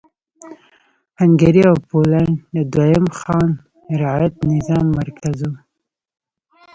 هنګري او پولنډ د دویم خان رعیت نظام مرکز و.